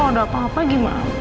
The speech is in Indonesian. kalau ada apa apa lagi ma